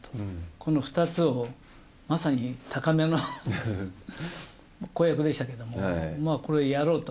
この２つを、まさに高めの公約でしたけれども、まあこれをやろうと。